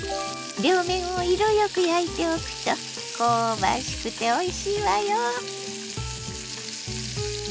両面を色よく焼いておくと香ばしくておいしいわよ。